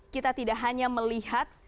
kita tidak hanya melihat